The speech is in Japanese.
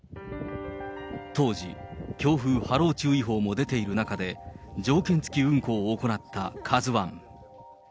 当時、強風・波浪注意報も出ている中で、条件付き運航を行ったカズワン。